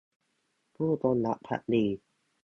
ผู้จงรักภักดี